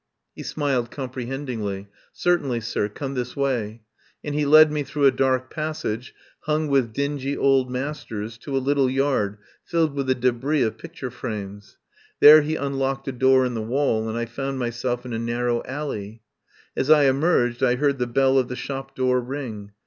He smiled comprehendingly. "Certainly, sir. Come this way," and he led me through a dark passage hung with dingy Old Masters to a little yard filled with the debris of pic ture frames. There he unlocked a door in the wall and I found myself in a narrow alley. As I emerged I heard the bell of the shop door ring.